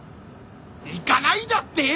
行かないだって？